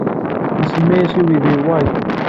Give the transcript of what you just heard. Nsemma-as i uydi-nni White.